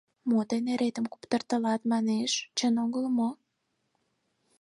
— Мо тый неретым куптыртылат, — манеш, — чын огыл мо?